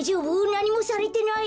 なにもされてない？